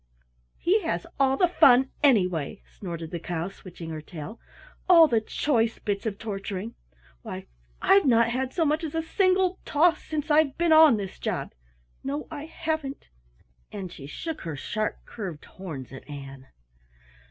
"He has all the fun, anyway," snorted the Cow, switching her tail. "All the choice bits of torturing. Why, I've not had so much as a single toss since I've been on this job; no I haven't!" And she shook her sharp curved horns at Ann.